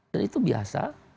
dan itu biasa